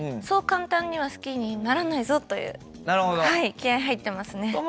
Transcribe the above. そう簡単には好きにならないぞという気合い入ってますね。